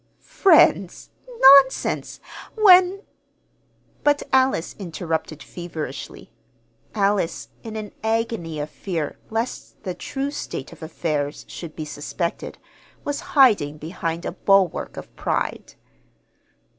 "Friends! Nonsense! When " But Alice interrupted feverishly. Alice, in an agony of fear lest the true state of affairs should be suspected, was hiding behind a bulwark of pride.